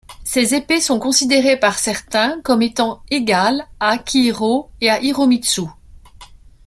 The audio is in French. Ses épées sont considérées par certains comme étant égales à Akihiro et à Hiromitsu.